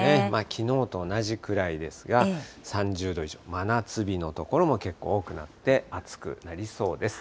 きのうと同じくらいですが、３０度以上、真夏日の所も結構多くなって、暑くなりそうです。